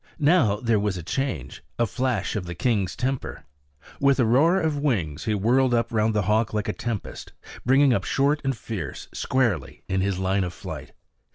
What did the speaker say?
Now there was a change, a flash of the king's temper. With a roar of wings he whirled round the hawk like a tempest, bringing up short and fierce, squarely in his line of flight.